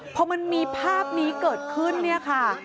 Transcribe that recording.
พอมันมีภาพนี้เกิดขึ้นเนี่ยค่ะ